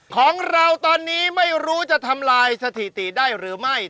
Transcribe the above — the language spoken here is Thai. ของเราตอนนี้ไม่รู้จะทำลายสถิติได้หรือไม่